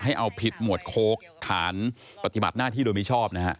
ให้เอาผิดหมวดโค้กฐานปฏิบัติหน้าที่โดยมิชอบนะฮะ